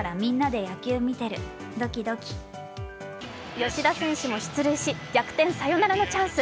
吉田選手も出塁し逆転サヨナラのチャンス。